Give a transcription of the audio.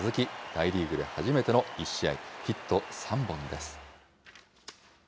大リーグで初めての１試合ヒット３本です。